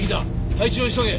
配置を急げ！